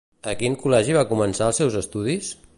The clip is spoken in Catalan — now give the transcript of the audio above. A quin col·legi va començar els seus estudis?